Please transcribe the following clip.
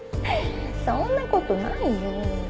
そんな事ないよ。